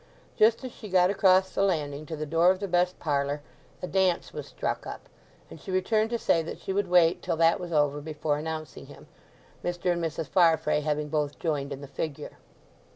Just as she got across the landing to the door of the best parlour a dance was struck up, and she returned to say that she would wait till that was over before announcing him—Mr. and Mrs. Farfrae having both joined in the figure.